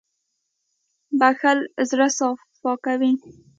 • بښل زړه صفا کوي.